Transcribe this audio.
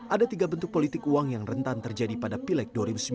ada tiga bentuk politik uang yang rentan terjadi pada pileg dua ribu sembilan belas